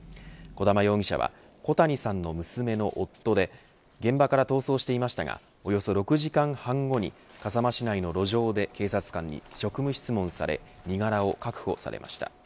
児玉容疑者は小谷さんの娘の夫で現場から逃走していましたがおよそ６時間半後に笠間市内の路上で警察官に職務質問され身柄を確保されました。